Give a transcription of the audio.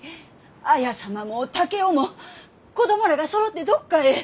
綾様も竹雄も子供らがそろってどっかへ！